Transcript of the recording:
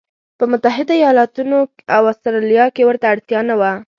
په متحدو ایالتونو او اسټرالیا کې ورته اړتیا نه وه.